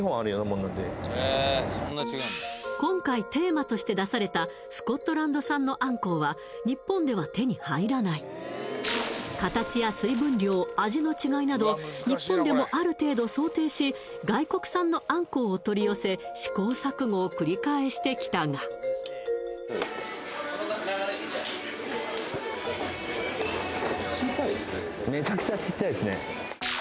今回テーマとして出されたスコットランド産のアンコウは日本では手に入らない形や水分量味の違いなど日本でもある程度想定し外国産のアンコウを取り寄せ試行錯誤を繰り返してきたが小さい？